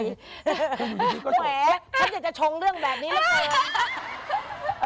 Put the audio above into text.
คืออยู่ดีก็โสดแหวะฉันอยากจะชงเรื่องแบบนี้เหลือเกิน